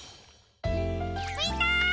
みんな！